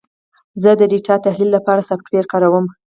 زه د ډیټا تحلیل لپاره سافټویر کاروم.